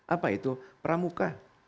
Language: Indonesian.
apa itu pramuka